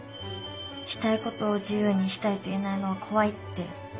「したいことを自由にしたいと言えないのは怖い」って。